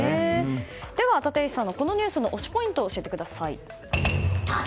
では立石さんのこのニュースの推しポイント教えてください。